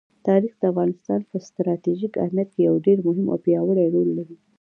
تاریخ د افغانستان په ستراتیژیک اهمیت کې یو ډېر مهم او پیاوړی رول لري.